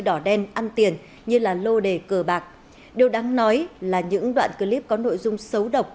đỏ đen ăn tiền như lô đề cờ bạc điều đáng nói là những đoạn clip có nội dung xấu độc